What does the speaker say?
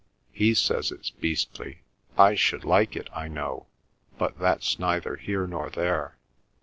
He says it's beastly—I should like it, I know, but that's neither here nor there.